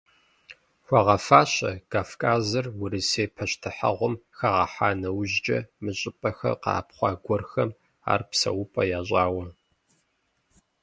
Хуагъэфащэ, Кавказыр Урысей пащтыхьыгъуэм хагъэхьа нэужькӀэ, мы щӀыпӀэхэм къэӀэпхъуа гуэрхэм ар псэупӀэ ящӀауэ.